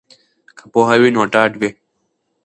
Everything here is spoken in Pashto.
که پوهه وي نو ډاډ وي.